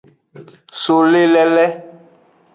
So le lele.